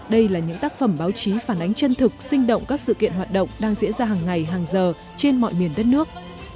đây là những tác phẩm báo chí phản ánh chân thực sinh động các sự kiện hoạt động đang diễn ra hàng ngày hàng giờ trên mọi miền đất nước